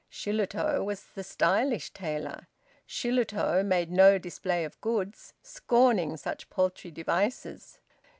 Shillitoe was the stylish tailor. Shillitoe made no display of goods, scorning such paltry devices.